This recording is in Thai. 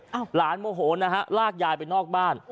หลวงหลวงได้ยายมโมโหนลากอย่ายไปนอกบ้าน